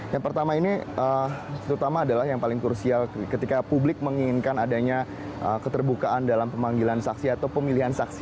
yang pertama ini terutama adalah yang paling krusial ketika publik menginginkan adanya keterbukaan dalam pemanggilan saksi atau pemilihan saksi